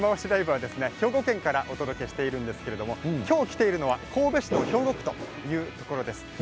ＬＩＶＥ」は兵庫県からお届けしているんですけれど今日来ているのは、神戸市の兵庫区というところです。